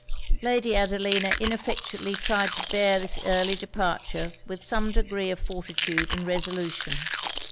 Lady Adelina ineffectually tried to bear this early departure with some degree of fortitude and resolution.